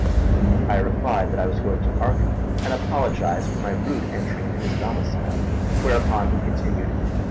I replied that I was going to Arkham, and apologised for my rude entry into his domicile, whereupon he continued.